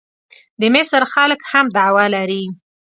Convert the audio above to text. د مصر خلک هم دعوه لري.